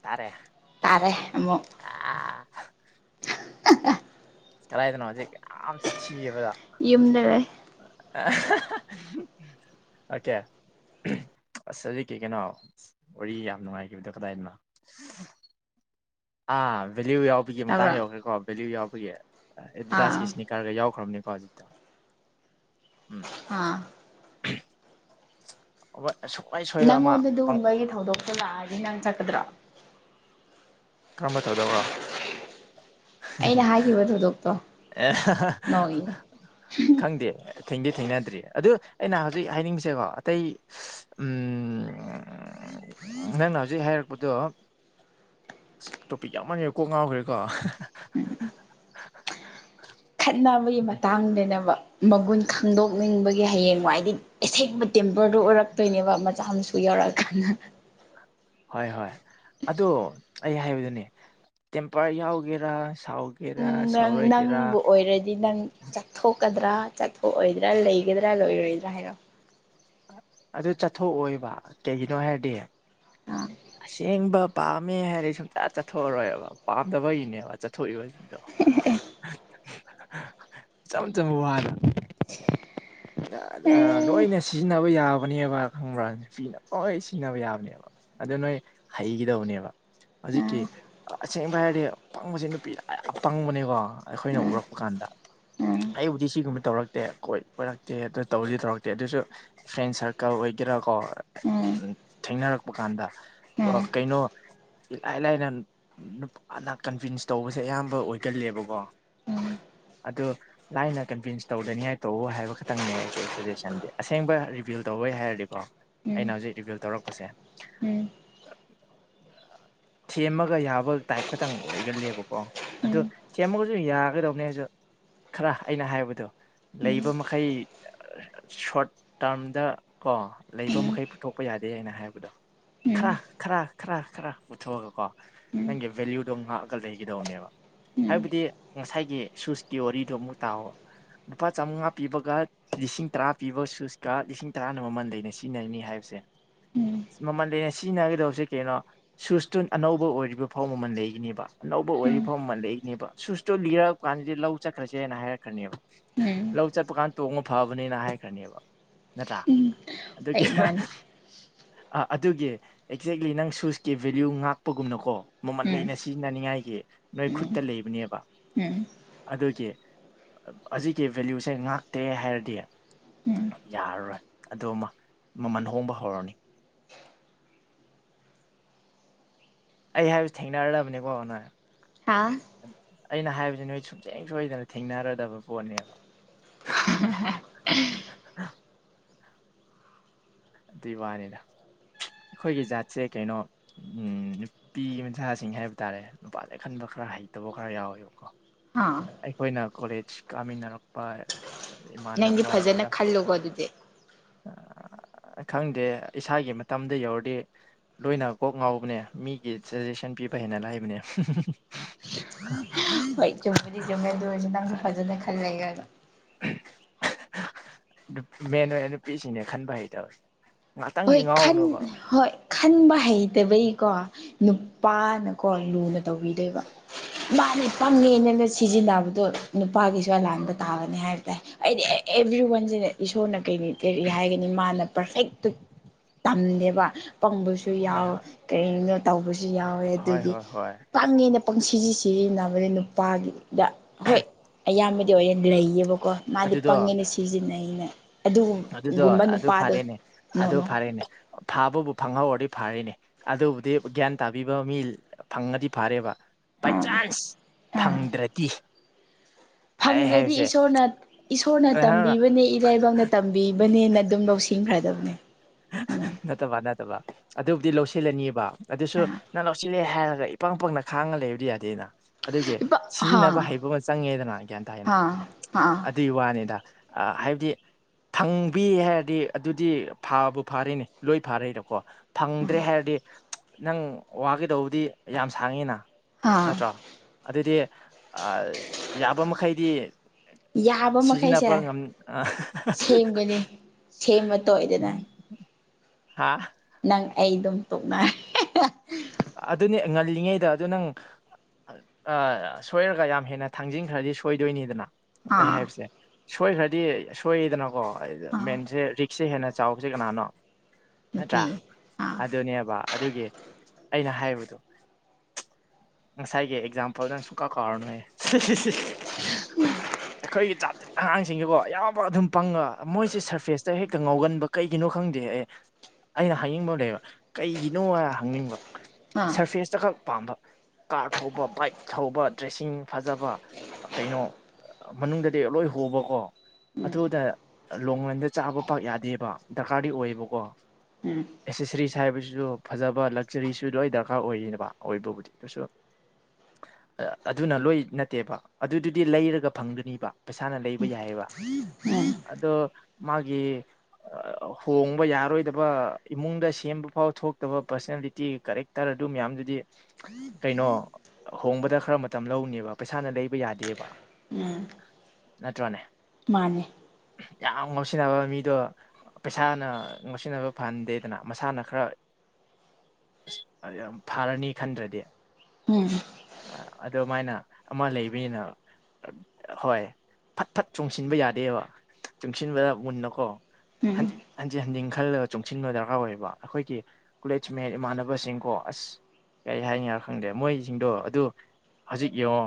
ꯇꯥꯔꯦ ꯇꯥꯔꯦ ꯑꯃꯨꯛ ꯑ ꯀꯔꯥꯏꯗꯅꯣ ꯍꯧꯖꯤꯛ ꯌꯥꯝ ꯁꯥꯊꯤꯌ‌‌ꯦꯕꯗ‌ꯣ ꯌꯨꯝꯗ ꯂ‌ꯩ ꯑꯣꯀꯦ ꯑꯁ ꯑꯗꯩ ꯀꯩ ꯀꯩꯅꯣ ꯋꯥꯔꯤ ꯌꯥꯝ ꯅꯨꯡꯉꯥꯏꯈꯤꯕꯗꯣ ꯀꯗꯥꯏꯗꯅꯣ ꯑꯥ ꯚꯦꯂꯌꯨ ꯌꯥꯎꯕꯒꯤ ꯃꯇꯥꯡ ꯇꯥꯕ꯭ꯔꯣ ꯌꯧꯈ꯭ꯔꯦꯀꯣ ꯚꯦꯂꯌꯨ ꯌꯥꯎꯕꯒꯤ ꯑꯥ ꯑꯦꯗꯤꯗꯥꯁꯀꯤ ꯁ꯭ꯅꯤ ꯀꯥꯔꯌꯥ ꯌꯥꯎꯈ꯭ꯔꯕꯅꯤꯀꯣ ꯍꯧꯖꯤꯠꯇ‌ꯣ ꯑꯥ ꯁꯨꯋꯥꯏ ꯁꯣꯏꯕ ꯑꯃ ꯅꯪꯉꯣꯟꯗ ꯑꯗꯨꯒꯨꯝꯕꯒꯤ ꯊꯧꯗꯣꯛ ꯂꯥꯗꯤꯟ ꯂꯪ ꯆꯀꯗ꯭ꯔꯥ ꯀꯔꯝꯕ ꯊꯧꯗꯧꯔꯣ ꯑꯩꯅ ꯍꯥꯏꯈꯤꯕ ꯊꯧꯗꯣꯛꯇꯣ ꯑꯦ ꯅꯣꯏꯅꯦ ꯈꯪꯗꯦ ꯊꯦꯡꯗꯤꯦ ꯊꯦꯡꯅꯗ꯭ꯔꯤ ꯑꯗꯨ ꯑꯩꯅ ꯍꯧꯖꯤꯛ ꯍꯥꯏꯅꯤꯡꯁꯦꯀꯣ ꯑꯇꯩ ꯅꯪꯅ ꯍꯧꯖꯤꯛ ꯍꯥꯏꯔꯛꯄꯗꯣ ꯇꯣꯄꯤꯛ ꯌꯥꯃꯟꯒ꯭ꯔ‌ꯦ ꯀꯣꯛ ꯉꯥꯎꯈ꯭ꯔꯦꯀꯣ ꯈꯠꯅꯕꯒꯤ ꯃꯇꯥꯡꯗꯅꯕ ꯃꯒꯨꯟ ꯈꯪꯗꯣꯛꯅꯤꯡꯕꯒꯤ ꯍꯌꯦꯡꯋꯥꯏꯗꯤ ꯑꯁꯦꯡꯕ ꯇꯦꯝꯄꯔꯗꯨ ꯑꯣꯏꯔꯛꯇꯣꯏꯅꯦꯕ ꯃꯆꯥ ꯃꯁꯨ ꯌꯧꯔꯛꯑꯀꯥꯟꯗ ꯍꯣꯏ ꯍꯣꯏ ꯑꯗꯣ ꯑꯩ ꯍꯥꯏꯕꯗꯨꯅꯦ ꯇꯦꯝꯄꯔ ꯌꯥꯎꯒꯦꯔꯥ ꯁꯥꯎꯒ ꯅꯪ ꯅꯪꯕꯨ ꯑꯣꯏꯔꯗꯤ ꯅꯪ ꯊꯣꯛꯀꯗ꯭ꯔꯥ ꯆꯠꯊꯣꯛꯑꯣꯏꯗ꯭ꯔꯥ ꯂꯩꯒꯗ꯭ꯔꯥ ꯂꯣꯏꯔꯣꯏꯗ꯭ꯔꯥ ꯍꯥꯏꯔ‌ꯣ ꯑꯗꯨ ꯆꯠꯊꯣꯛꯑꯣꯏꯕ ꯀꯩꯒꯤꯅꯣ ꯍꯥꯏꯔꯗꯤ ꯑꯥ ꯑꯁꯦꯡꯕ ꯄꯥꯝꯃꯦ ꯍꯥꯏꯔꯗꯤ ꯁꯨꯡꯇ ꯆꯠꯊꯣꯛꯑꯔꯣꯏꯕ ꯄꯥꯝꯗꯕꯒꯤꯅꯦꯕ ꯆꯠꯊꯣꯛꯏꯕꯁꯤꯡꯗꯣ ꯏꯆꯝ ꯆꯝꯕ ꯋꯥꯗ [unintelligible] ꯑꯦ ꯂꯣꯏꯅ ꯁꯤꯖꯤꯟꯅꯕ ꯌꯥꯕꯅꯦꯕ ꯈꯪꯕ꯭ꯔꯥ ꯅꯨꯄꯤꯅ ꯂꯣꯏ ꯁꯤꯖꯤꯟꯅꯕ ꯌꯥꯕꯅꯦꯕ ꯑꯗꯨ ꯅꯣꯏ ꯍꯩꯒꯗꯕꯅꯦꯕ ꯍꯧꯖꯤꯛꯀꯤ ꯑꯥ ꯑꯁꯦꯡꯕ ꯍꯥꯏꯔꯗꯤ ꯄꯪꯕꯁꯦ ꯅꯨꯄꯤ ꯂ ꯌꯥꯝ ꯄꯪꯕꯅꯦꯀꯣ ꯑꯩꯈꯣꯏꯅ ꯑꯥ ꯎꯔꯛꯄ ꯀꯥꯟꯗ ꯑꯩꯕꯨꯗꯤ ꯁꯤꯒꯨꯝꯕ ꯇꯧꯔꯛꯇꯦ ꯀꯣꯏ ꯀꯣꯏꯔꯛꯇꯦ ꯑꯗꯨ ꯇꯧꯁꯨ ꯇꯧꯔꯛꯇꯦ ꯑꯗꯨꯁꯨ ꯐ꯭ꯔꯦꯟ ꯁꯥꯔꯀꯜ ꯑꯣꯏꯒꯦꯔꯥ ꯀꯣ ꯑꯥ ꯊꯦꯡꯅꯔꯛꯄ ꯀꯥꯟꯗ ꯑꯥ ꯑꯥ ꯀꯩꯅꯣ ꯏꯂꯥꯏ ꯂꯥꯏꯅ ꯅꯨꯄꯥꯅ ꯀꯟꯚꯤꯟꯁ ꯇꯧꯕꯁꯦ ꯑꯌꯥꯝꯕ ꯑꯣꯏꯒꯂꯦꯕꯀꯣ ꯑꯗꯨ ꯂꯥꯏꯅ ꯀꯟꯚꯤꯟꯁ ꯇꯧꯗꯅꯤ ꯍꯥꯏ ꯇꯧ ꯍꯥꯏꯕ ꯈꯛꯇꯪꯅꯦ ꯑꯩꯈꯣꯏ ꯁꯖꯦꯁꯟꯗꯤ ꯑꯁꯦꯡꯕ ꯔꯤꯕꯚꯤꯌꯨ ꯇꯧꯕꯩ ꯍꯥꯏꯔꯗꯤꯀꯣ ꯎꯝ ꯑꯩꯅ ꯍꯧꯖꯤꯛ ꯔꯤꯕꯤꯜ ꯇꯧꯔꯛꯄꯁꯦ ꯎꯝ ꯁꯦꯝꯃꯒ ꯌꯥꯕ ꯇꯥꯏꯞ ꯈꯇꯪ ꯑꯣꯏꯒꯜꯂꯦꯕꯀꯣ ꯎꯝ ꯎꯝ ꯑꯗꯨꯗ ꯁꯦꯝꯃꯒꯁꯨ ꯌꯥꯒꯗꯧꯕꯅꯦꯁꯨ ꯈꯔ ꯑꯩꯅ ꯍꯥꯏꯕꯗꯣ ꯎꯝ ꯂꯩꯕ ꯈꯩ ꯁꯣꯔꯠ ꯇꯥꯔꯝꯗ ꯀꯣ ꯂꯩꯕ ꯎꯝ ꯃꯈꯩ ꯄꯨꯊꯣꯛꯄ ꯌꯥꯗꯦ ꯑꯩ ꯑꯩꯅ ꯍꯥꯏꯕꯗꯣ ꯈꯔ ꯎꯝ ꯈꯔ ꯈꯔ ꯈꯔ ꯄꯨꯊꯣꯛꯑꯒ ꯀꯣ ꯎꯝ ꯅꯪꯒꯤ ꯚꯦꯂꯨꯗꯣ ꯉꯥꯛꯑꯒ ꯂꯩꯈꯤꯗꯧꯕꯅꯦꯕ ꯎꯝ ꯍꯥꯏꯕꯗꯤ ꯉꯁꯥꯏꯒꯤ ꯁꯨꯁꯀꯤ ꯋꯥꯔꯤꯗ‌ꯣ ꯑꯃꯨꯛ ꯇꯥꯎꯕ ꯂꯨꯄꯥ ꯆꯝꯉꯥ ꯄꯤꯕꯒ ꯂꯤꯁꯤꯡ ꯇꯔꯥ ꯄꯤꯕ ꯁꯨꯁꯀ ꯂꯤꯁꯤꯡ ꯇꯔꯥꯅ ꯃꯃꯜ ꯂꯩꯅ ꯁꯤꯖꯤꯟꯅꯔꯤꯅꯤ ꯍꯥꯏꯕꯁꯦ ꯎꯝ ꯃꯃꯜ [unintelligible] ꯁꯤꯖꯤꯟꯅꯒꯗꯧꯁꯦ ꯀꯩꯅꯣ ꯁꯨꯁꯇꯨꯟ ꯑꯅꯧꯕ ꯑꯣꯏꯔꯤꯕ ꯐꯧ ꯃꯃꯜ ꯂꯩꯒꯅꯦꯕ ꯑꯅꯧꯕ ꯑꯣꯏꯔꯤꯕ ꯎꯝ ꯐꯥꯎ ꯑꯃ ꯂꯩꯛꯏꯅꯦꯕ ꯁꯨꯁꯇꯣ ꯂꯤꯔꯛ ꯀꯥꯟꯗꯗꯤ ꯂꯧ ꯆꯠꯈ꯭ꯔꯁꯦꯅ ꯍꯥꯏꯔꯛꯈ꯭ꯔꯅꯦꯕ ꯎꯝ ꯆꯄꯀꯥꯟ ꯇꯣꯡꯕ ꯐꯕꯅꯤꯅ ꯍꯥꯏꯈ꯭ꯔꯅꯦꯕ ꯅꯠꯇ꯭ꯔꯥ ꯎꯝ ꯑꯗꯨꯒꯤ ꯑꯩ ꯃꯥꯅꯤ ꯑ ꯑꯗꯨꯒꯤ ꯑꯦꯛꯖꯦꯛꯂꯤ ꯅꯪ ꯁꯨꯁꯀꯤ ꯚꯦꯂꯌꯨ ꯉꯥꯛꯄꯒꯨꯝꯅꯀꯣ ꯃꯃꯟ ꯎꯝ ꯂꯩꯅ ꯁꯤꯖꯤꯟꯅꯅꯤꯡꯉꯥꯏꯒꯤ ꯅꯣꯏ ꯎꯝ ꯈꯨꯠꯇ ꯂꯩꯕꯅꯦꯕ ꯎꯝ ꯑꯗꯨꯒꯤ ꯍꯧꯖꯤꯛꯀꯤ ꯚꯦꯂꯌꯨꯁꯦ ꯉꯥꯛꯇꯦ ꯍꯥꯏꯔꯗꯤ ꯎꯝ ꯌꯥꯔꯔꯣꯏ ꯑꯗꯨ ꯑꯃ ꯃꯃꯜ ꯍꯣꯡꯕ ꯍꯧꯔꯅꯤ ꯑꯩ ꯍꯥꯏꯕꯁꯤ ꯊꯦꯡꯅꯔꯕꯅꯤꯀꯣ ꯅꯣꯏ ꯍꯥꯥ ꯑꯩꯅ ꯍꯥꯏꯕꯕꯁꯤꯦ ꯅꯣꯏ ꯁꯨꯡꯁꯦꯡ ꯁꯣꯏꯗꯅ ꯊꯦꯡꯅꯔꯗꯕ ꯄꯣꯠꯅꯦꯕ [inaudible] ꯑꯗꯨꯏ ꯋꯥꯅꯤꯅ ꯑꯩꯈꯣꯏꯒꯤ ꯖꯥꯠꯁꯦ ꯀꯩꯅꯣ ꯎꯝ ꯅꯨꯄꯤ ꯃꯆꯥꯁꯤꯡ ꯍꯥꯏꯕ ꯇꯥꯔꯦ ꯅꯨꯄꯥꯁꯦ ꯑ ꯈꯟꯕ ꯈꯔ ꯍꯩꯇꯕ ꯈꯔ ꯌꯥꯎꯋꯦꯕꯀꯣ ꯍꯥꯥ ꯑꯩꯈꯣꯏꯅ ꯀꯣꯂꯦꯖ ꯀꯥꯃꯤꯟꯅꯔꯛꯄ ꯅꯪꯗꯤ ꯏꯃꯥꯟꯅꯕ ꯑꯗꯨꯗ ꯐꯖꯅ ꯈꯜꯂꯨꯀꯣ ꯑꯗꯨꯗꯤ ꯈꯪꯗꯦ ꯏꯁꯥꯒꯤ ꯃꯇꯝꯗ ꯌꯧꯔꯗꯤ ꯂꯣꯏꯅ ꯀꯣꯛ ꯉꯥꯎꯕꯅꯦ ꯃꯤꯒꯤ ꯁꯖꯦꯁꯟ ꯄꯤꯕ ꯍ‌ꯦꯟꯅ ꯂꯥꯏꯕꯅꯦ ꯍꯥ ꯍꯣꯏ ꯆꯨꯝꯗꯤ ꯆꯨꯝꯒꯦꯗ ꯑꯣꯏꯁꯦ ꯅꯪꯁꯨ ꯐꯖꯅ ꯈꯜꯂꯦꯒꯗꯣ ꯃꯦꯟ ꯑꯣꯏꯅ ꯅꯨꯄꯤꯁꯤꯡꯅꯦ ꯈꯟꯕ ꯍꯩꯇꯕ ꯉꯥꯛꯇꯪꯒꯤ ꯍꯣꯏ ꯈꯟ ꯉꯥꯎꯅꯨꯕ ꯍꯣꯏ ꯈꯟꯕ ꯍꯩꯇꯕꯩꯀꯣ ꯅꯨꯄꯥꯅꯀꯣ ꯂꯨꯅ ꯇꯧꯕꯤꯗꯣꯏꯕ ꯃꯥꯅꯦ ꯄꯪꯉꯦꯅꯦꯅ ꯁꯤꯖꯤꯟꯅꯕꯗꯣ ꯅꯨꯄꯥꯒꯤꯁꯨ ꯑ ꯂꯥꯟꯕ ꯇꯥꯕꯅꯤ ꯍꯥꯏꯕ ꯇꯥꯏ ꯑꯩꯗꯤ ꯑꯦꯚ꯭ꯔꯤꯋꯥꯟꯁꯤꯅ ꯏꯁꯣꯔꯅ ꯀꯔꯤ ꯀꯔꯤ ꯍꯥꯏꯒꯅꯤ ꯃꯥꯅ ꯄꯔꯐꯦꯛꯇꯨ ꯇꯝꯗꯦꯕ ꯄꯪꯕꯁꯨ ꯍꯣꯏ ꯌꯥꯎ ꯍꯣꯏ ꯀꯔꯤꯅꯣ ꯇꯧꯕꯁꯨ ꯌꯥꯎꯋꯦ ꯍꯣꯏ ꯑꯗꯨꯒꯤ ꯍꯣꯏ ꯍꯣꯏ ꯄꯪꯉꯦꯅ ꯄꯪ ꯁꯤꯖꯤ ꯁꯤꯖꯤꯟꯅꯕꯅꯦ ꯅꯨꯄꯥꯒꯤꯗ ꯍꯣꯏ ꯑꯌꯥꯝꯕꯗꯤ ꯑꯣꯏꯅ ꯂꯩꯌꯦꯕꯀꯣ ꯃꯥꯗꯤ ꯑꯗꯨꯗꯣ ꯄꯪꯉꯦꯅ ꯁꯤꯖꯤꯟꯅꯩꯩꯅ ꯑꯗꯨꯒꯨꯝꯕ ꯅꯨꯄꯥꯗꯣ ꯑ ꯅꯣ ꯑꯗꯨ ꯅꯣ ꯐꯔꯦꯅꯦ ꯐꯥꯕꯕꯨ ꯐꯪꯍꯧꯔꯗꯤ ꯐꯔꯤꯅꯤ ꯑꯗꯨꯕꯨꯗꯤ ꯒ꯭ꯌꯥꯟ ꯇꯥꯕꯤꯕ ꯃꯤ ꯐꯪꯉꯗꯤ ꯐꯔꯦꯕ ꯕꯥꯏ ꯑꯥ ꯆꯥꯟꯁ ꯑꯥ ꯐꯪꯗ꯭ꯔꯗꯤ ꯑꯩ ꯐꯪꯗ꯭ꯔꯗꯤ ꯍꯥꯏꯕꯁꯦ ꯏꯁꯣꯔꯅ ꯏꯁꯣꯔꯅ ꯇꯝꯕꯤꯕꯅꯦ ꯏꯔꯥꯏꯕꯛꯅ ꯇꯝꯕꯤ ꯄꯤꯕꯅꯦꯅ ꯑꯗꯨꯝ ꯂꯧꯁꯤꯡꯈ꯭ꯔꯗꯕꯅꯦ ꯅꯠꯇꯕ ꯅꯠꯇꯕ ꯑꯗꯨꯕꯨꯗꯤ ꯂꯧꯁꯤꯜꯂꯅꯤꯕ ꯑꯗꯨꯁꯨ ꯅꯪ ꯂꯧꯁꯤꯜꯂꯦ ꯍꯥꯏꯔꯒ ꯏꯄꯪ ꯄꯪꯅ ꯈꯥꯡꯉ ꯂꯩꯕꯗꯤ ꯌꯥꯗꯦꯅ ꯑꯗꯨꯒꯤ ꯏꯄꯥ ꯍꯥ ꯁꯤꯖꯤꯟꯅꯕ ꯍꯩꯕ ꯑꯃ ꯆꯪꯉꯦꯗꯅ ꯒ꯭ꯌꯥꯟ ꯇꯥꯏꯅ ꯍꯥ ꯍꯥ ꯑꯗꯨꯒꯤ ꯋꯥꯅꯤꯗ ꯍꯥꯏꯕꯗꯤ ꯊꯪꯕꯤ ꯍꯥꯏꯔꯗꯤ ꯑꯗꯨꯗꯤ ꯐꯥꯕꯨ ꯐꯥꯔꯦꯅꯦ ꯂꯣꯏ ꯐꯥꯔꯦꯗꯀꯣ ꯊꯪꯗ꯭ꯔꯦ ꯍꯥꯏꯔꯗꯤ ꯅꯪ ꯋꯥꯒꯤꯗꯧꯗꯤ ꯌꯥꯝ ꯁꯥꯡꯉꯤꯅ ꯍꯥ ꯅꯠꯇ꯭ꯔꯣ ꯑꯗꯨꯗꯤ ꯌꯥꯕ ꯃꯈꯩꯗꯤ ꯌꯥꯕ ꯃꯈꯩꯁꯦ ꯁꯤꯖꯤꯟꯅꯕ ꯉꯝ ꯁꯦꯝꯒꯅꯤ ꯁꯦꯝꯕ ꯇꯧꯗꯅ ꯍꯥꯥ ꯅꯪ ꯑꯩ ꯑꯗꯨꯝ ꯇꯣꯛꯅ ꯑꯗꯨꯅꯦ ꯉꯜꯂꯤꯉꯩꯗ ꯑꯗꯨ ꯅꯪ ꯑꯥ ꯁꯣꯏꯔꯒ ꯌꯥꯝ ꯍꯦꯟꯅ ꯊꯥꯡꯖꯤꯟꯈ꯭ꯔꯗꯤ ꯁꯣꯏꯗꯣꯏꯅꯤꯗꯅ ꯑꯩ ꯑꯥ ꯍꯥꯏꯕꯁꯦ ꯁꯣꯏꯈ꯭ꯔꯗꯤ ꯁꯣꯏꯗꯅꯀꯣ ꯑꯥ ꯃꯦꯟꯁꯦ ꯁꯤ ꯍꯦꯟꯅ ꯆꯥꯎꯕꯁꯦ ꯀꯅꯥꯅꯣ ꯅꯠꯇ꯭ꯔꯥ ꯅꯨꯄꯤ ꯑꯥ ꯑꯗꯨꯅꯦꯕ ꯑꯗꯨꯒꯤ ꯑꯩꯅ ꯍꯥꯏꯕꯗꯣ ꯉꯁꯥꯏꯒꯤ ꯑꯦꯛꯖꯥꯝꯄꯜꯗ‌ꯣ ꯁꯨꯡ ꯀꯥꯎ ꯀꯥꯎꯔꯅꯨꯍ‌‌ꯦ ꯑꯩꯈꯣꯏꯒꯤ ꯆꯥꯡ-ꯆꯥꯠ ꯑꯉꯥꯡꯁꯤꯡꯁꯤꯀꯣ ꯌꯥꯝꯕ ꯑꯗꯨꯝ ꯄꯪꯉ ꯃꯣꯏꯁꯦ ꯁꯔꯐꯦꯁꯇ ꯍꯦꯛꯇ ꯉꯥꯎꯒꯟꯕ ꯀꯩꯒꯤꯅꯣ ꯈꯪꯗꯦ ꯑꯦ ꯑꯩꯅ ꯍꯥꯏꯅꯤꯡꯕ ꯂꯩꯕ ꯀꯩꯒꯤꯅꯣ ꯍꯥꯏ ꯍꯪꯅꯤꯡꯕ ꯑꯥ ꯁꯔꯐꯦꯁꯇꯈꯛ ꯄꯥꯝꯕ ꯀꯥꯔ ꯊꯧꯕ ꯕꯥꯏꯛ ꯊꯧꯕ ꯗ꯭ꯔꯦꯁꯤꯡ ꯐꯖꯕ ꯀꯩꯅꯣ ꯃꯅꯨꯡꯗꯗꯤ ꯂꯣꯏ ꯍꯣꯕꯀꯣ ꯎꯝ ꯑꯗꯨꯗ ꯂꯣꯡꯉ‌ꯣꯟꯗ ꯆꯥꯕ ꯄꯥꯛ ꯌꯥꯗꯦꯕ ꯗꯔꯀꯥꯔꯗꯤ ꯑꯣꯏꯌꯦꯕꯀꯣ ꯎꯝ ꯑꯦꯁꯦꯁꯔꯤꯁ ꯍꯥꯏꯕꯁꯤꯁꯨ ꯐꯖꯕ ꯂꯛ ꯆꯔꯤꯁꯨ ꯂ ꯗꯔꯀꯥꯔ ꯑꯣꯏꯔꯤꯅꯦꯕ ꯑ ꯑꯣꯏꯣꯏꯕꯕꯨꯗꯤ ꯑꯗꯨꯁꯨ ꯑꯗꯨꯅ ꯂꯣꯏ ꯅꯠꯇꯦꯕ ꯑꯗꯨꯗꯨꯗꯤ ꯂꯩꯔꯒ ꯐꯪꯗꯅꯤꯕ ꯄꯩꯁꯥꯅ ꯂꯩꯕ ꯌꯥꯏꯑꯕ ꯎꯝ ꯑꯗꯣ ꯃꯥꯒꯤ ꯍꯣꯡꯕ ꯌꯥꯔꯣꯏꯗꯕ ꯏꯃꯨꯡꯗ ꯁꯦꯝꯕ ꯐꯥꯎ ꯊꯣꯛꯇꯕ ꯄꯥꯔꯁꯣꯅꯦꯜꯂꯤ ꯇꯦ ꯀꯦꯔꯦꯛꯇꯔ ꯑꯗꯨ ꯃꯌꯥꯝꯗꯨꯗꯤ ꯀꯩꯅꯣ ꯍꯣꯡꯕꯗ ꯈꯔ ꯃꯇꯝ ꯂꯧꯅꯦꯕ ꯄꯩꯁꯥꯅ ꯂꯩꯕ ꯌꯥꯗꯦꯕ ꯎꯝ ꯅꯠꯇ꯭ꯔꫭꯅꯦ ꯃꯥꯅꯦ ꯌꯥꯝ ꯉꯥꯎꯁꯤꯟꯅꯕ ꯃꯤꯗꯣ ꯄꯩꯁꯥꯅ ꯉꯥꯎꯁꯤꯟꯅꯕ ꯐꯍꯟꯗꯦꯗꯅ ꯃꯁꯥꯅ ꯈꯔ ꯑ ꯌꯥꯝ ꯐꯥꯔꯅꯤ ꯈꯟꯗ꯭ꯔꯗꯤ ꯎꯝ ꯑ ꯑꯗꯨꯃꯥꯏꯅ ꯑꯃ ꯂꯩꯕꯅꯤꯅ ꯍꯣꯏ ꯐꯠ ꯐꯠ ꯆꯨꯡꯁꯤꯟꯕ ꯌꯥꯗꯦꯕ ꯆꯨꯡꯁꯤꯟꯕꯗ ꯃꯨꯟꯅꯀꯣ ꯎꯝ ꯍꯟꯖꯤꯟ ꯍꯟꯖꯤꯟ ꯖꯦꯅꯤꯡ ꯈꯜꯂꯒ ꯆꯣꯡꯁꯤꯟꯕ ꯗꯔꯀꯥꯔ ꯑꯣꯏꯌꯦꯕ ꯑꯩꯈꯣꯏꯒꯤ ꯀꯣꯂꯦꯖ ꯃꯦꯠ ꯏꯃꯥꯟꯅꯕꯁꯤꯡꯀꯣ ꯑꯁ ꯀꯩ ꯍꯥꯏꯅꯤꯡꯏꯅꯣ ꯈꯪꯗꯦ ꯃꯣꯏꯁꯤꯡꯗꯣ ꯑꯗꯨ ꯍꯧꯖꯤꯛ ꯌꯦꯡꯉꯣ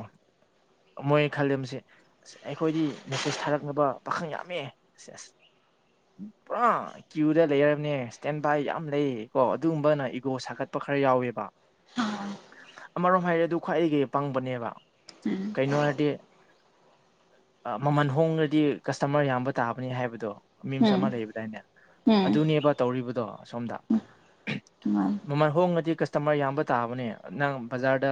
ꯃꯣꯏ ꯈꯜꯂꯤꯝꯕꯁꯦ ꯑꯁ ꯑꯩꯈꯣꯏꯗꯤ ꯃꯦꯁꯦꯖ ꯊꯥꯔꯛꯅꯕ ꯄꯥꯈꯪ ꯌꯥꯝꯃꯦ ꯁꯦꯖ ꯄꯨꯔꯥ [unintelligible] ꯀ꯭ꯌꯨꯗ ꯂꯩꯔꯕꯅꯦ ꯁ꯭ꯇꯦꯟ ꯕꯥꯏ ꯌꯥꯝ ꯂꯩꯌꯦ ꯀꯣ ꯑꯗꯨꯒꯨꯝꯕꯅ ꯏꯒꯣ ꯁꯥꯒꯠꯄ ꯈꯔ ꯌꯥꯎꯋꯦꯕ ꯑꯥ ꯑꯃꯔꯣꯝ ꯍꯥꯏꯔꯦ ꯑꯗꯨ ꯈ꯭ꯋꯥꯏꯗꯒꯤ ꯄꯪꯕꯅꯦꯕ ꯎꯝ ꯀꯩꯅꯣ ꯍꯥꯏꯔꯗꯤ ꯃꯃꯜ ꯍꯣꯡꯉ꯭ꯔꯗꯤ ꯀꯁꯇꯃꯔ ꯌꯥꯝꯕ ꯇꯥꯕꯅꯤ ꯍꯥꯏꯕꯗꯣ ꯃꯤꯝꯁ ꯎꯝ ꯑꯃ ꯂꯩꯕꯗꯥꯏꯅꯦ ꯎꯝ ꯑꯗꯨꯅꯦꯕ ꯇꯧꯔꯤꯕꯗꯣ ꯁꯣꯝꯗ ꯃꯥꯅꯦ ꯃꯃꯜ ꯍꯣꯡꯂꯗꯤ ꯀꯁꯇꯃꯔ ꯌꯥꯝꯕ ꯇꯥꯕꯅꯦ ꯅꯪ ꯕꯖꯥꯔꯗ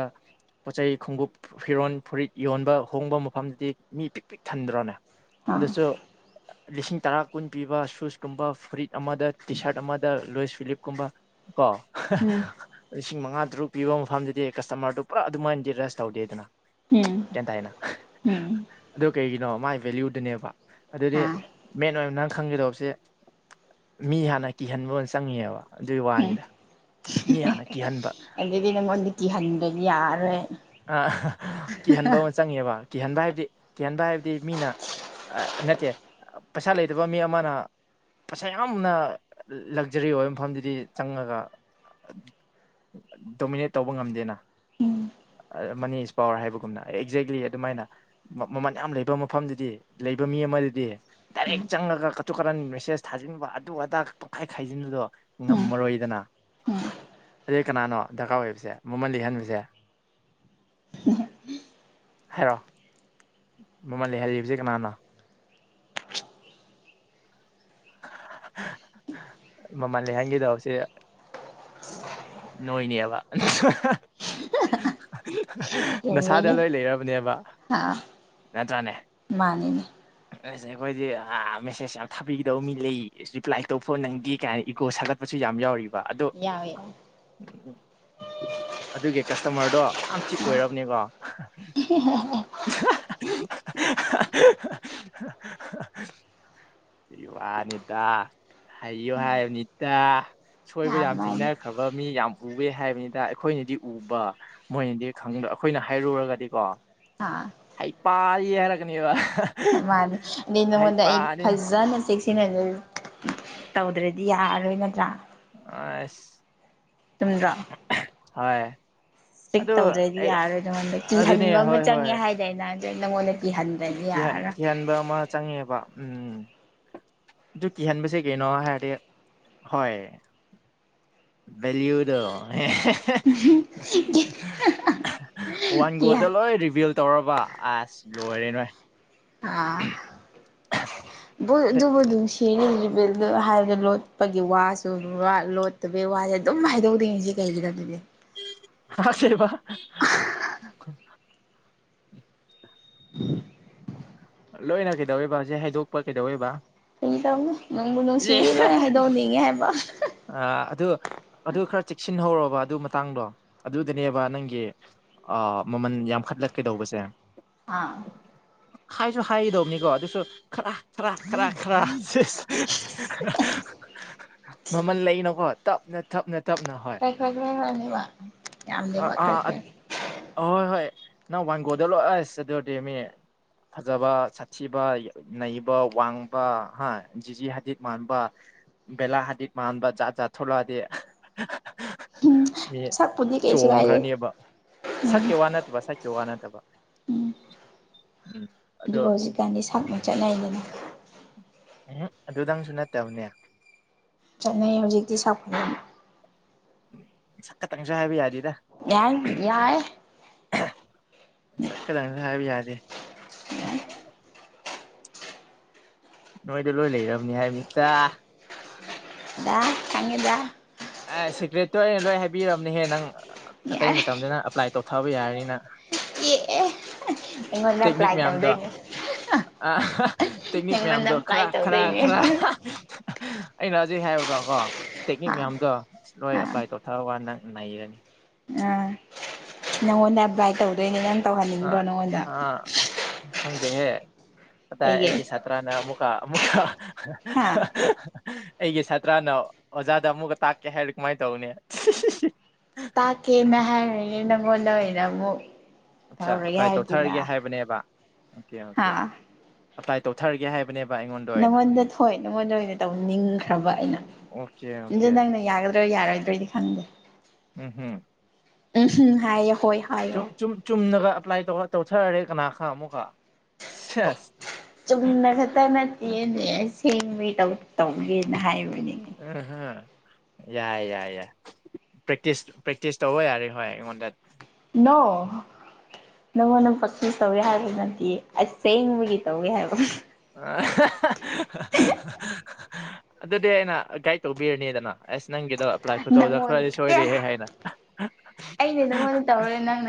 ꯄꯣꯠꯆꯩ ꯈꯣꯡꯒꯨꯞ ꯐꯤꯔꯣꯜ ꯐꯨꯔꯤꯠ ꯌꯣꯟꯕ ꯍꯣꯡꯕ ꯃꯐꯝꯗꯨꯗꯤ ꯃꯤ ꯄꯤꯛ ꯄꯤꯛ ꯊꯟꯗ꯭ꯔꯣꯅꯦ ꯑꯥ ꯑꯗꯁꯨ ꯂꯤꯁꯤꯡ ꯇꯔꯥ ꯀꯨꯟ ꯄꯤꯕ ꯁꯨꯁꯀꯨꯝꯕ ꯐꯨꯔꯤꯠ ꯑꯃꯗ ꯇꯤ ꯁꯥꯔꯠ ꯑꯃꯗ ꯂꯣꯏꯁ ꯐꯤꯂꯤꯞꯀꯨꯝꯕ ꯀꯣ ꯎꯝ ꯂꯤꯁꯤꯡ ꯃꯉꯥ ꯇꯔꯨꯛ ꯄꯤꯕ ꯃꯐꯝꯗꯗꯤ ꯀꯁꯇꯃꯔꯗꯨ ꯄꯨꯔꯥ ꯑꯗꯨꯃꯥꯏꯅꯗꯤ ꯔꯁ ꯇꯧꯗꯦꯗꯅ ꯎꯝ ꯒꯤꯌꯦꯟꯇꯥꯏꯅ ꯑꯗꯨ ꯀꯩꯒꯤꯅꯣ ꯃꯥꯒꯤ ꯚꯦꯂꯨꯗꯨꯅꯦꯕ ꯑꯗꯨꯗꯤ ꯃꯦꯟ ꯑꯣꯏꯅ ꯅꯪ ꯈꯪꯒꯗꯧꯕꯁꯦ ꯃꯤ ꯍꯥꯟꯅ ꯀꯤꯍꯟꯕ ꯑꯣꯏꯅ ꯆꯪꯉꯦꯕ ꯑꯗꯨꯒꯤ ꯋꯥꯅꯤꯗ ꯃꯤ ꯍꯥꯟꯅ ꯀꯤꯍꯟꯕ ꯑꯗꯩꯗꯤ ꯅꯪꯉꯣꯟꯗ ꯀꯤꯍꯟꯗ꯭ꯔꯗꯤ ꯌꯥꯔꯦ ꯑꯥ ꯀꯤꯍꯟꯕ ꯑꯣ ꯆꯪꯉꯦꯕ ꯀꯤꯍꯟꯕ ꯍꯥꯏꯕꯗꯤ ꯀꯤꯍꯟꯕ ꯍꯥꯏꯕꯗꯤ ꯃꯤꯅ ꯅꯠꯇꯦ ꯄꯩꯁꯥ ꯂꯩꯇꯕ ꯃꯤ ꯑꯃꯅ ꯄꯁꯥ ꯌꯥꯝꯅ ꯂꯛꯖꯔꯤ ꯑꯣꯏꯕ ꯃꯐꯝꯗꯨꯗꯤ ꯆꯪꯉꯒ ꯗꯣꯃꯤꯅꯦꯠ ꯇꯧꯕ ꯉꯝꯗꯦꯅ ꯃꯅꯤ ꯏꯁ ꯄꯋꯥꯔ ꯍꯥꯏꯕꯒꯨꯝꯅ ꯑꯦꯛꯖꯦꯛꯂꯤ ꯑꯗꯨꯃꯥꯏꯅ ꯃꯃꯜ ꯌꯥꯝ ꯂꯩꯕ ꯃꯐꯝꯗꯨꯗꯤ ꯂꯩꯕ ꯃꯤ ꯑꯃꯗꯨꯗꯤ ꯗꯥꯏꯔꯦꯛ ꯆꯪꯉꯒ ꯀꯇꯨ ꯀꯔꯟ ꯃꯦꯁꯦꯖ ꯊꯥꯖꯤꯟꯕ ꯑꯗꯨ ꯑꯗꯥ ꯇꯣꯈꯥꯏ ꯈꯥꯏꯖꯤꯟꯕꯗꯣ ꯎꯝ ꯉꯝꯃꯔꯣꯏꯗꯅ ꯎꯝ ꯑꯗꯨꯗꯤ ꯀꯅꯥꯅꯣ ꯗꯔꯀꯥꯔ ꯑꯣꯏꯕꯁꯦ ꯃꯃꯜ ꯂꯩꯍꯟꯕꯁꯦ ꯍꯥꯏꯔꯣ ꯃꯃꯜ ꯂꯩꯍꯜꯂꯤꯕꯁꯦ ꯀꯅꯅꯣ ꯃꯃꯜ ꯂꯩꯍꯟꯒꯦ ꯇꯧꯕꯁꯤ ꯅꯣꯏꯅꯦꯕ ꯅꯁꯥꯗ ꯆꯨꯝꯃꯤꯅꯦ ꯂꯣꯏ ꯂꯩꯔꯕꯅꯦꯕ ꯑꯥ ꯅꯠꯇ꯭ꯔꯥꯅꯦ ꯃꯥꯅꯤꯅꯦ ꯑꯁ ꯑꯩꯈꯣꯏꯗꯤ ꯃꯦꯁꯦꯖ ꯌꯥꯝ ꯊꯥꯕꯤꯈꯤ ꯇꯧꯕ ꯃꯤ ꯂꯩ ꯑꯁ ꯔꯤꯄ꯭ꯂꯥꯏ ꯇꯣꯛꯈꯣ ꯅꯪꯒꯤ ꯀꯥꯏꯅ ꯏꯒꯣ ꯁꯥꯒꯠꯄꯁꯨ ꯌꯥꯝ ꯌꯥꯎꯔꯤꯕ ꯑꯗꯣ ꯌꯥꯏꯑꯦ [unintelligible] ꯑꯗꯨꯒꯤ ꯀꯁꯇꯃꯔꯗꯣ ꯌꯥꯝ ꯆꯤꯞ ꯑꯣꯏꯔꯕꯅꯤꯀꯣ [unintelligible] ꯨꯗꯨꯏ ꯋꯥꯅꯤꯗ ꯍꯩꯌꯨ ꯍꯥꯏꯕꯅꯤꯗ ꯁꯣꯏꯕ ꯑꯥ ꯌꯥꯝ ꯃꯥꯅꯤ ꯊꯦꯡꯅꯈ꯭ꯔꯕ ꯃꯤ ꯌꯥꯝ ꯎꯋꯦ ꯍꯥꯏꯕꯅꯤꯗ ꯑꯩꯈꯣꯏꯅꯗꯤ ꯎꯕ ꯃꯣꯏꯅꯗꯤ ꯈꯪꯗꯕ ꯑꯩꯈꯣꯏꯅ ꯍꯥꯏꯔꯨꯔꯒꯗꯤ ꯀꯣ ꯍꯥꯥ ꯍꯩꯄꯥꯗꯤ ꯍꯥꯏꯔꯛꯀꯅꯦꯕ ꯃꯥꯅꯤ ꯑꯗꯨꯗꯤ ꯅꯉꯣꯟꯗ ꯑꯩꯅ ꯍꯩꯄꯥꯅꯤ ꯐꯖꯅ ꯆꯦꯛꯁꯤꯟꯅ ꯇꯧꯗ꯭ꯔꯗꯤ ꯌꯥꯔꯔꯣꯏ ꯅꯠꯇ꯭ꯔꯥ ꯑꯁ ꯆꯨꯝꯗ꯭ꯔꯣ ꯍꯣꯏ꯫ ꯏꯁꯤꯛ ꯑꯗꯨ ꯇꯧꯗ꯭ꯔꯗꯤ ꯑꯩ ꯌꯥꯔꯣꯏ ꯅꯉꯣꯟꯗ ꯑꯗꯨꯅꯦ ꯀꯤꯍꯟꯕ ꯑꯃ ꯆꯪꯉꯦ ꯍꯥꯏꯗꯅ ꯅꯪꯉꯣꯟꯗ ꯀꯤꯍꯟꯗ꯭ꯔꯗꯤ ꯀꯤꯍꯟ ꯌꯥꯔꯔꯣꯏ ꯀꯤꯍꯟꯕ ꯑꯃꯥ ꯆꯪꯉꯦꯕ ꯎꯝ ꯑꯗꯨ ꯀꯤꯍꯟꯕꯁꯦ ꯀꯩꯅꯣ ꯍꯥꯏꯔꯗꯤ ꯍꯣꯏ ꯅꯩꯔꯛꯑꯣꯏꯗꯔꯣ ꯎꯝꯍꯨꯝ [unintelligible] ꯋꯥꯟ ꯒꯣꯗ ꯂꯣꯏ ꯔꯤꯚꯤꯜ ꯇꯧꯔꯕ ꯑꯁ ꯂꯣꯏꯔꯦ ꯅꯣꯏ ꯑꯥ ꯍꯥ ꯑꯗꯨꯕꯨ ꯑꯗꯨꯝ ꯅꯨꯡꯁꯤꯔꯤ ꯍꯥꯏꯕꯗ ꯂꯣꯠꯄꯒꯤ ꯋꯥꯁꯨ ꯑꯗꯨꯒ ꯂꯣꯠ ꯇꯕꯩ ꯋꯥꯁꯦ ꯑꯗꯨꯝ ꯍꯥꯏꯗꯣꯛꯅꯤꯡꯉꯤꯁꯦ ꯀꯩꯒꯤꯅꯣ ꯑꯗꯨꯗꯤ ꯑꯁꯦꯡꯕ [inaudible] ꯂꯣꯏꯅ ꯀꯩꯗꯧꯑꯦꯕ ꯍꯧꯖꯤꯛ ꯍꯥꯏꯗꯣꯛꯄ ꯀꯩꯗꯧꯑꯦꯕ ꯀꯩꯗꯧꯅꯤ ꯅꯨꯡꯕꯨ ꯅꯨꯡꯁꯤꯔꯗꯤ ꯂꯣꯏ ꯍꯥꯏꯗꯣꯛꯅꯤꯡꯉꯦ ꯍꯥꯏꯕ ꯑꯥ ꯑꯗꯨ ꯑꯗꯨ ꯈꯔ ꯆꯦꯛꯁꯤꯟꯍꯧꯔꯣꯕ ꯑꯗꯨ ꯃꯇꯥꯡꯗꯣ ꯑꯗꯨꯗꯅꯦꯕ ꯅꯪꯒꯤ ꯑꯥ ꯃꯃꯜ ꯌꯥꯝꯈꯠꯂꯛꯀꯗꯧꯕꯁꯦ ꯑꯥ ꯍꯥꯏꯁꯨ ꯍꯥꯏꯗꯧꯅꯤꯀꯣ ꯑꯗꯨꯁꯨ ꯈꯔ ꯈꯔ ꯈꯔ ꯈꯔ ꯁꯦꯁ [unintelligible] ꯃꯃꯜ ꯂꯩꯅꯀꯣ ꯇꯞꯅ ꯇꯞꯅ ꯇꯞꯅ ꯍꯣꯏ ꯈꯔ ꯈꯔ ꯈꯔ ꯈꯔꯅꯦꯕ ꯌꯥꯝꯗꯦꯕ ꯈꯔ ꯑꯥ ꯈꯔ ꯑꯍꯣꯏ ꯍꯣꯏ ꯅꯪ ꯋꯥꯡꯒꯣꯗ ꯂꯣꯏꯑꯁ ꯑꯗꯨꯗꯤ ꯃꯤ ꯐꯖꯕ ꯁꯥꯠꯊꯤꯕ ꯅꯩꯕ ꯋꯥꯡꯕ ꯍꯥ ꯖꯤꯖꯤ ꯍꯥꯗꯤꯠ ꯃꯥꯟꯕ ꯕꯦꯂꯥ ꯍꯥꯗꯤꯠ ꯃꯥꯟꯕ ꯖꯥꯠ ꯆꯥꯠ ꯊ ꯊꯣꯛꯂꯛꯑꯗꯤ ꯎꯝ ꯃꯤ ꯁꯛꯄꯨꯗꯤ ꯀꯩꯁꯨ ꯀꯥꯏꯗꯦ ꯆꯣꯡꯈ꯭ꯔꯅꯦꯕ ꯎꯝ ꯁꯛꯀꯦ ꯋꯥ ꯅꯠꯇꯕ ꯁꯛꯀꯦ ꯋꯥ ꯅꯠꯇꯕ ꯎꯝ ꯎꯝ ꯑꯗꯣ ꯑꯗꯨꯕꯨ ꯍꯧꯖꯤꯛꯀꯥꯟꯗꯤ ꯁꯛꯅ ꯆꯠꯅꯩꯗꯅ ꯎꯝ ꯑꯗꯨꯗꯪꯁꯨ ꯅꯠꯇꯦꯕꯅꯦ꯫ ꯆꯠꯅꯩ ꯍꯧꯖꯤꯛꯇꯤ ꯁꯥꯐ ꯁꯈꯠꯪꯖꯍ ꯍꯥꯏꯕꯤ ꯌꯥꯗꯤ꯫ ꯌꯥꯏ ꯌꯥꯏ ꯆꯠꯀꯗꯕꯅꯦ ꯍꯥꯏꯕꯤ ꯌꯥꯗꯦ꯫ ꯌꯥꯏ ꯅꯣꯏꯗ ꯂꯣꯏ ꯂꯩꯔꯕꯅꯤ ꯍꯥꯏꯃꯤꯇꯥ ꯗ ꯀꯟꯒꯦꯗꯥ ꯑꯦ ꯁꯤꯀ꯭ꯔꯦꯠꯇꯣ ꯑꯩꯅ ꯂꯣꯏ ꯍꯥꯏꯕꯤꯔꯕꯅꯦꯍꯦ ꯅꯪ ꯑꯇꯩ ꯌꯥꯔꯦ ꯃꯇꯝꯗꯅ ꯄ꯭ꯂꯥꯏ ꯇꯧꯊꯕ ꯌꯥꯔꯤꯅꯤꯅ ꯑꯦ ꯑꯦ ꯑꯩꯉꯣꯟꯗ ꯇꯦꯛꯅꯤꯛ ꯑꯦꯄ꯭ꯂꯥꯏ ꯃꯌꯥꯝꯗꯣ ꯇꯧꯗꯣꯏꯅꯦ꯫ ꯑ ꯇꯦꯛꯅꯤꯛ ꯅꯪꯉꯣꯟꯗ ꯃꯌꯥꯝꯗꯣ ꯈꯔ ꯑꯦꯄ꯭ꯂꯥꯏ ꯈꯔ ꯇꯧꯗꯣꯏꯅꯦ ꯈꯔ ꯑꯩꯅ ꯍꯧꯖꯤꯛ ꯍꯥꯏꯕꯗꯣꯀꯣ ꯇꯦꯛꯅꯤꯛ ꯑꯥ ꯃꯌꯥꯝꯗꯣ ꯂꯣꯏ ꯑꯦꯞꯄ꯭ꯂꯥꯏ ꯇꯧꯑꯣ꯫ ꯊꯋꯥꯟꯅ ꯅꯩꯔꯅꯤ꯫ ꯎꯝ ꯅꯪꯉꯣꯟꯗ ꯑꯚꯥꯏꯠ ꯇꯧꯗꯣꯏꯅꯦ ꯅꯪ ꯇꯧꯍꯟꯅꯤꯡꯗ꯭ꯔꯣ ꯅꯪꯉꯣꯟꯗ ꯑ ꯈꯪꯗꯦꯍꯦ ꯑꯗꯥ ꯀꯩꯒꯤ ꯑꯩꯒꯤ ꯁꯥꯇ꯭ꯔꯅ ꯑꯃꯨꯛꯀ ꯑꯃꯨꯛꯀ ꯍꯥ [unintelligible] ꯑꯩꯒꯤ ꯁꯥꯇ꯭ꯔꯥꯅ ꯑꯣꯖꯥꯗ ꯑꯃꯨꯛꯀ ꯇꯥꯛꯀꯦ ꯍꯥꯏꯔ ꯀꯃꯥꯏꯅ ꯇꯧꯅꯤ꯫ ꯇꯥꯛꯀꯦꯅ ꯍꯥꯏꯔꯅꯤ ꯅꯪꯉꯣꯟꯗꯦꯅ ꯑꯃꯨꯛ ꯑꯠꯆꯥ ꯇꯧꯔꯒꯦ ꯑꯄ꯭ꯂꯥꯏ ꯍꯥꯏꯗꯨꯅ ꯇꯧꯊꯔꯒꯦ ꯍꯥꯏꯕꯅꯦꯕ ꯑꯣꯀꯦ ꯍꯥ ꯑꯣꯀꯦ ꯑꯄ꯭ꯂꯥꯏ ꯇꯧꯊꯔꯒꯦ ꯍꯥꯏꯕꯅꯦꯕ ꯑꯩꯉꯣꯟꯗ ꯑꯣꯏꯅ ꯅꯪꯉꯣꯟꯗ ꯊꯣꯏ ꯅꯪꯉꯣꯟꯗ ꯑꯣꯏꯅ ꯇꯧꯅꯤꯡꯈ꯭ꯔꯕ ꯑꯩꯅ ꯑꯣꯀꯦ ꯑꯗꯨ ꯑꯣꯀꯦ ꯅꯪꯅ ꯌꯥꯒꯗ꯭ꯔꯥ ꯌꯥꯔꯣꯏꯗ꯭ꯔꯣꯏꯗꯤ ꯈꯪꯗꯦ꯫ ꯎꯝ ꯍꯨ ꯎꯝ ꯎꯝ ꯍꯥꯏꯌꯦ ꯍꯣꯏ ꯍꯥꯏꯌꯣ ꯆꯨꯝ ꯆꯨꯝ ꯆꯨꯝꯅꯒ ꯑꯦꯄ꯭ꯂꯥꯏ ꯇꯧꯔ ꯇꯧꯊꯔꯛꯔꯦ ꯀꯅꯥ ꯈꯪ ꯑꯃꯨꯛꯀ ꯁꯁ ꯆꯨꯝꯅ ꯈꯛꯇ ꯅꯠꯇꯦꯅꯦ ꯑꯁꯦꯡꯕꯩ ꯇꯧ ꯇꯧꯒꯦꯅ ꯍꯥꯏꯕ ꯎ ꯎꯝ ꯍ ꯌꯥꯏ ꯌꯥꯏ ꯌꯥꯏ ꯄ꯭ꯔꯦꯛꯇꯤꯁ ꯄ꯭ꯔꯦꯛꯇꯤꯁ ꯇꯧꯕ ꯌꯥꯔꯦ ꯍꯣꯏ ꯑꯩꯉꯣꯟꯗ ꯅꯣ ꯅꯪꯉꯣꯟꯗ ꯄꯆꯤꯁ ꯇꯧꯏ ꯍꯥꯏꯕꯒꯤ ꯅꯠꯇꯤꯌꯦ ꯑꯆꯦꯡꯕꯒꯤ ꯇꯧꯋꯦ ꯍꯥꯏꯕ ꯑꯗꯨꯗꯤ ꯑꯩꯅ ꯒꯥꯏꯠ ꯇꯧꯕꯤꯔꯅꯤꯗꯅ ꯑꯁ ꯅꯪꯒꯤꯗꯣ ꯑꯦꯄ꯭ꯂꯥꯏ ꯈꯨꯇꯧꯗ ꯅꯪꯉꯣꯟ ꯈꯔꯗꯤ ꯑꯦ ꯁꯣꯏꯔꯦꯍꯦ ꯍꯥꯏꯅ ꯑꯩꯅ ꯅꯪꯉꯣꯟꯗ ꯇꯧꯔꯒ ꯅꯪ